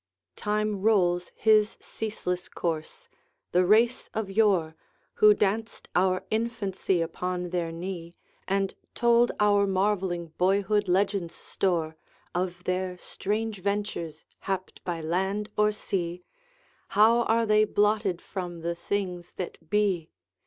Time rolls his ceaseless course. The race of yore, Who danced our infancy upon their knee, And told our marvelling boyhood legends store Of their strange ventures happed by land or sea, How are they blotted from the things that be!